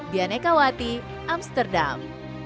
dianne kawati amsterdam